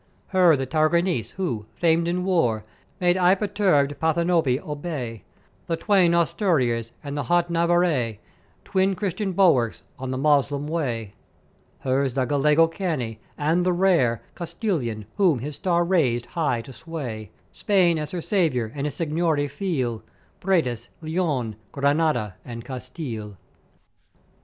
"Hers the Tarragonese who, famed in war, made aye perturbed Parthenopé obey; the twain Asturias, and the haught Navarre twin Christian bulwarks on the Moslem way: Hers the Gallego canny, and the rare Castilian, whom his star raised high to sway Spain as her saviour, and his seign'iory feel Bætis, Leon, Granada, and Castile.